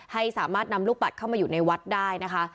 ให้สามารถนำลูกปัดเข้ามาอยู่ในวัดได้นะคะ